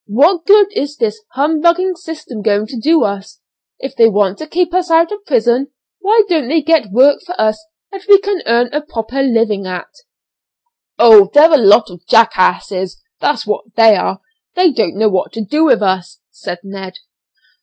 What good is this humbugging system going to do us? If they want to keep us out of prison why don't they get work for us that we can earn a proper living at?" "Oh! they're a lot of jackasses, that's what they are; they don't know what to do with us," said Ned.